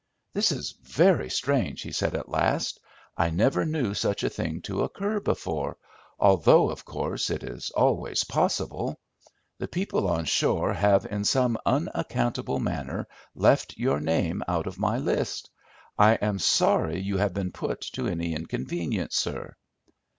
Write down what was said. "This is very strange," he said at last. "I never knew such a thing to occur before, although, of course, it is always possible. The people on shore have in some unaccountable manner left your name out of my list. I am sorry you have been put to any inconvenience, sir."